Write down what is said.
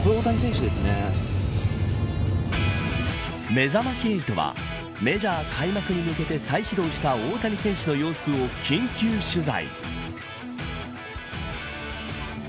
めざまし８はメジャー開幕に向けて再始動した大谷選手の様子を緊急取材。